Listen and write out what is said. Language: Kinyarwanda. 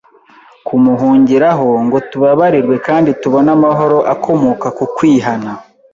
kumuhungiraho ngo tubabarirwe kandi tubone amahoro akomoka ku kwihana